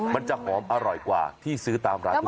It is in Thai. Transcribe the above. มันจะหอมอร่อยกว่าที่ซื้อตามร้านด้วย